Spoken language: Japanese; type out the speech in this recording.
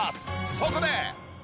そこで。